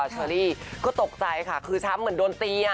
เชอรี่ก็ตกใจค่ะคือช้ำเหมือนโดนตี